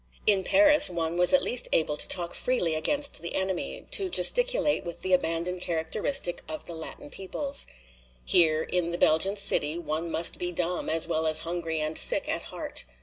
In Paris one was at least able to talk freely against the enemy, to gesticulate with the abandon characteristic of the Latin peoples. Here in the Belgian city one must be dumb, as well as hungry and sick at heart.